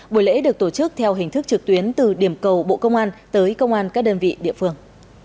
buổi lễ được tổ chức theo hình thức trực tuyến từ điểm cầu bộ công an tới công an các đơn vị địa phương